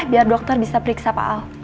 biar dokter bisa periksa pak ahok